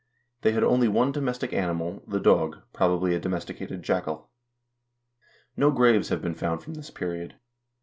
They had only one domestic animal, the dog, probably a domesticated jackal. No graves have been found from this period.